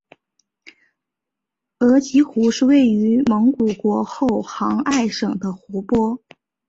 额吉湖是位于蒙古国后杭爱省的湖泊。